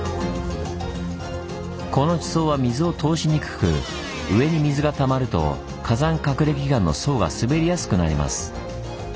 この地層は水を通しにくく上に水がたまると火山角れき岩の層が滑りやすくなります。